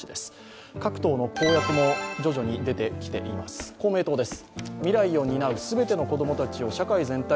各党の公約も徐々に出てきています。